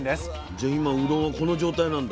じゃあ今うどんはこの状態なんだ。